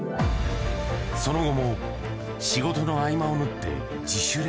その後も、仕事の合間を縫って、自主練。